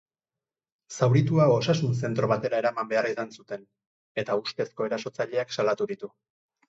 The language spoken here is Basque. Zauritua osasun-zentro batera eraman behar izan zuten, eta ustezko erasotzaileak salatu ditu.